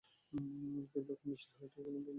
কিন্তু এখন মিষ্টির হাড়িটা একটা উপদ্রবের মতো লাগছে।